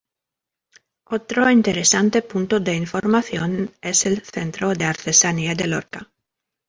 Otro interesante punto de información es el Centro de Artesanía de Lorca.